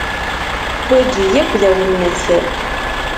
Wagi yak d awennet.